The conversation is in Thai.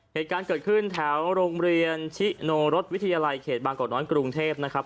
เหตุการณ์เกิดขึ้นแถวโรงเรียนชิโนรสวิทยาลัยเขตบางกอกน้อยกรุงเทพนะครับ